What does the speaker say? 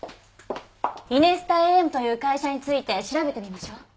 イネスタＡＭという会社について調べてみましょう。